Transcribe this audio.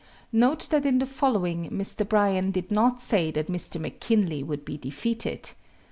Note that in the following Mr. Bryan did not say that Mr. McKinley would be defeated.